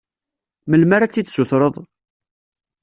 Melmi ara tt-id-sutreḍ?